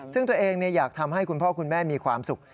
ซึ่งตัวเองอยากทำให้คุณพ่อคุณแม่มีความสุข